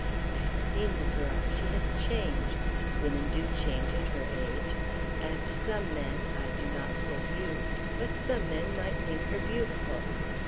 I have seen the girl; she has changed women do change at her age and some men, I do not say you, but some men might think her beautiful.